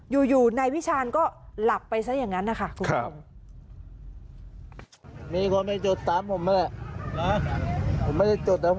อยู่นายวิชาญก็หลับไปซะอย่างนั้นนะคะคุณผู้ชม